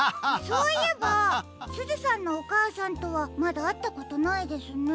そういえばすずさんのおかあさんとはまだあったことないですね。